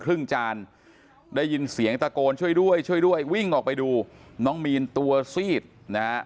จานได้ยินเสียงตะโกนช่วยด้วยช่วยด้วยวิ่งออกไปดูน้องมีนตัวซีดนะฮะ